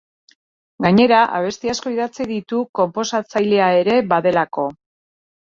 Gainera abesti asko idatzi ditu konposatzailea ere badelako.